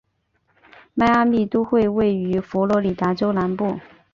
迈阿密都会区位于佛罗里达州南部。